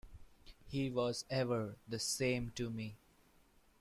He was ever the same to me.